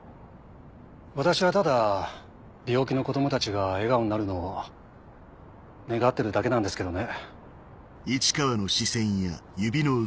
私はただ病気の子供たちが笑顔になるのを願ってるだけなんですけどね。